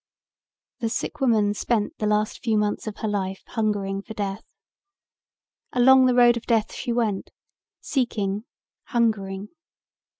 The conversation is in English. The sick woman spent the last few months of her life hungering for death. Along the road of death she went, seeking, hungering.